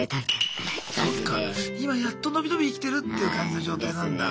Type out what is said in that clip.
今やっと伸び伸び生きてるっていう感じの状態なんだ。